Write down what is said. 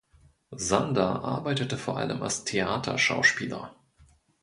Sander arbeitete vor allem als Theaterschauspieler.